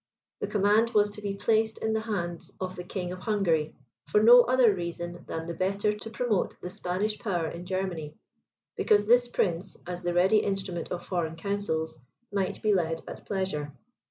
The command was to be placed in the hands of the King of Hungary, for no other reason than the better to promote the Spanish power in Germany; because this prince, as the ready instrument of foreign counsels, might be led at pleasure.